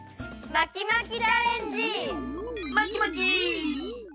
まきまき！